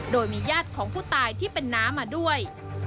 โดยมีญาติของผู้ตายที่เป็นน้ามาด้วย